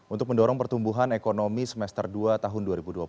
untuk mendorong pertumbuhan ekonomi semester dua tahun dua ribu dua puluh